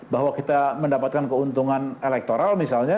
bahwa kita mendapatkan keuntungan elektoral misalnya